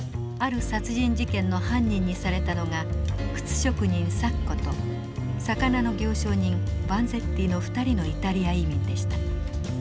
ある殺人事件の犯人にされたのが靴職人サッコと魚の行商人バンゼッティの２人のイタリア移民でした。